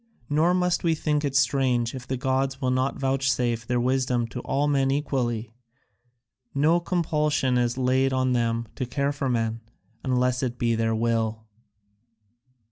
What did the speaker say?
Nor must we think it strange if the gods will not vouchsafe their wisdom to all men equally; no compulsion is laid on them to care for men, unless it be their will."